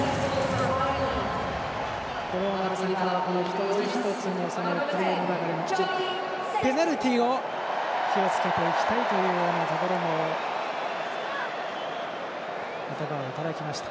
五郎丸さんから、一つ一つのプレーの中でもペナルティを気をつけていきたいというところも言葉をいただきました。